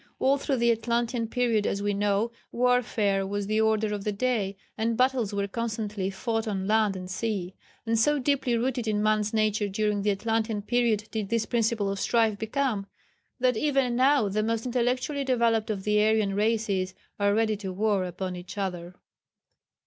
All through the Atlantean period, as we know, warfare was the order of the day, and battles were constantly fought on land and sea. And so deeply rooted in man's nature during the Atlantean period did this principle of strife become, that even now the most intellectually developed of the Aryan races are ready to war upon each other.